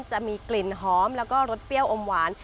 จะมีกลิ่นหอมและเครียมรสเปรี้ยวโอมหวาน